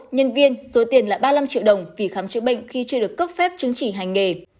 nhân viên số tiền là ba mươi năm triệu đồng vì khám chữa bệnh khi chưa được cấp phép chứng chỉ hành nghề